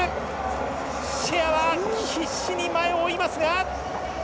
シェアは必死で前を追いますが。